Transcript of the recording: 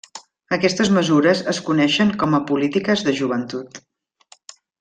Aquestes mesures es coneixen com a polítiques de joventut.